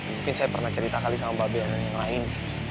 mungkin saya pernah cerita kali sama mbak bean dan yang lain